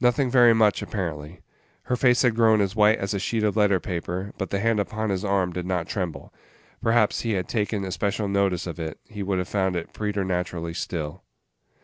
Nothing very much, apparently. Her face had grown as white as a sheet of letter paper, but the hand upon his arm did not tremble. Perhaps, had he taken especial notice of it, he would have found it preternaturally still.